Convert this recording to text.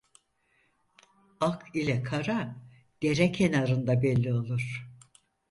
Ak ile kara dere kenarında belli olur.